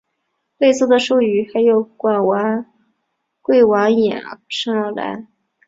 类似的术语还有硅烷衍生而来。